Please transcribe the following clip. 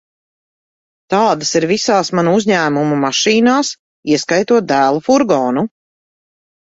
Tādas ir visās mana uzņēmuma mašīnās, ieskaitot dēla furgonu.